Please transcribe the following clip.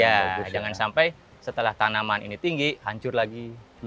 ya jangan sampai setelah tanaman ini tinggi hancur lagi